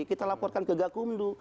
kita laporkan ke gakumdu